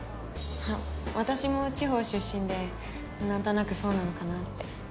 あっ私も地方出身でなんとなくそうなのかなって。